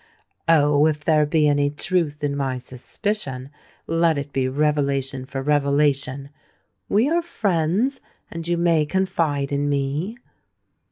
Oh! if there be any truth in my suspicion, let it be revelation for revelation. We are friends—and you may confide in me."